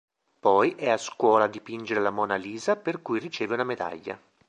Poi è a scuola a dipingere la Mona Lisa, per cui riceve una medaglia.